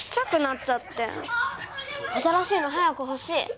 新しいの早く欲しい！